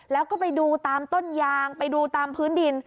แล้วก็ไปดูตามต้นยางไปดูตามพื้นดิน